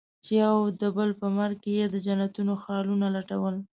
چې يو د بل په مرګ کې يې د جنتونو خالونه لټول.